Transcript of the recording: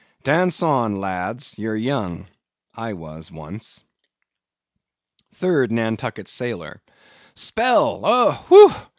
Dance on, lads, you're young; I was once. 3D NANTUCKET SAILOR. Spell oh!—whew!